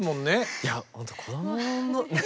いやほんと子どものね